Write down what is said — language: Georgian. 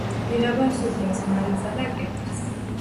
იღებენ სუფრის მარილსა და კირქვას.